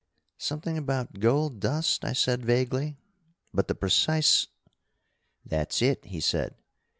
"Something about gold dust," I said vaguely, "but the precise " "That's it," he said.